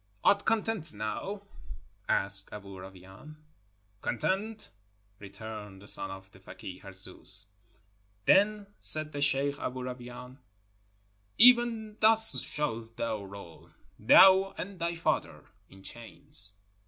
"Art content now?" asked Aboo Rawain. "Content," returned the son of the fakeeh Harzooz. Then said the sheikh Aboo Rawain: "Even thus shalt thou roll, thou and thy father, in chains!"